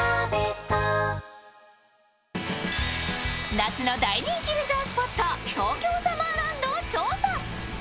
夏の大人気レジャースポット、東京サマーランドを調査。